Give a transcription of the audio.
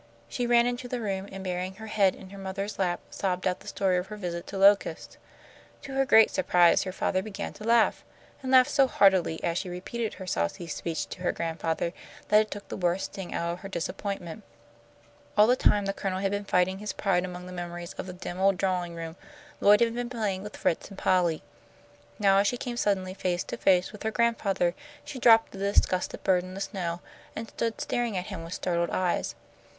She ran into the room, and, burying her head in her mother's lap, sobbed out the story of her visit to Locust. To her great surprise her father began to laugh, and laughed so heartily as she repeated her saucy speech to her grandfather, that it took the worst sting out of her disappointment. All the time the Colonel had been fighting his pride among the memories of the dim old drawing room, Lloyd had been playing with Fritz and Polly. Now as she came suddenly face to face with her grandfather, she dropped the disgusted bird in the snow, and stood staring at him with startled eyes.